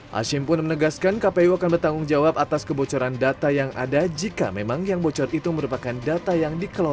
hashim pun menegaskan kpu akan berhasil mengembalikan kesehatan kpu dan bin pada tahun dua ribu dua puluh